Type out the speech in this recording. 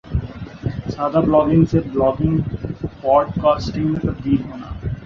سادہ بلاگنگ سے blogging podcasting میں تبدیل ہونا